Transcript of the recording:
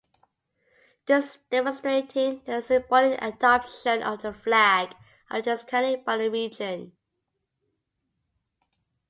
This demonstrated the symbolic adoption of the flag of Tuscany by the region.